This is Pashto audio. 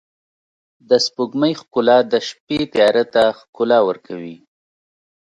د سپوږمۍ ښکلا د شپې تیاره ته ښکلا ورکوي.